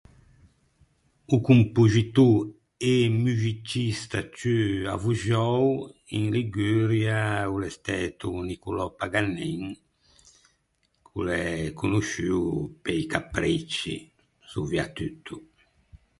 O compoxitô e muxicista ciù avvoxou in Liguria o l’é stæto o Nicolò Paganin, ch’o l’é conosciuo pe-i capricci soviatutto.